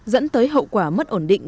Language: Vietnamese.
dẫn tới hậu quả mất ổn định